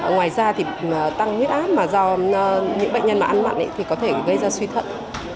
ngoài ra thì tăng huyết áp mà do những bệnh nhân mà ăn mặn thì có thể gây ra suy thận